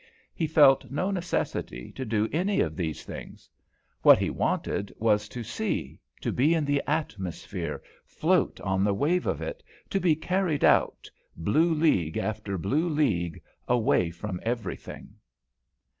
He felt no necessity to do any of these things; what he wanted was to see, to be in the atmosphere, float on the wave of it, to be carried out, blue league after blue league, away from everything.